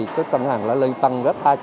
các đơn hàng đã lên tăng hai trăm linh